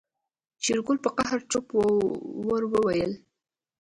شېرګل په قهر چپ ور وويل.